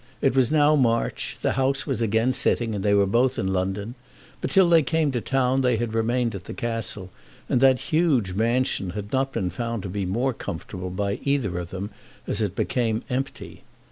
It was now March. The House was again sitting, and they were both in London, but till they came to town they had remained at the Castle, and that huge mansion had not been found to be more comfortable by either of them as it became empty.